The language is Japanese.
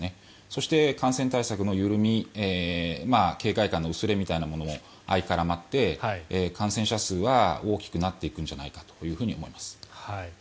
そして、感染対策の緩み警戒感の薄れみたいなものが相絡まって、感染者数は大きくなっていくんじゃないかと思います。